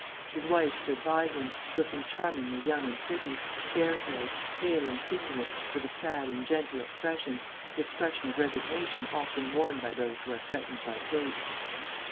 His wife stood by him, looking charmingly young and pretty, fair haired, pale and sinuous, with a sad and gentle expression, the expression of resignation often worn by those who are threatened by fate.